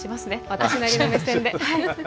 私なりの目線で。